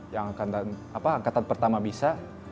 yang angkatan pertama bisa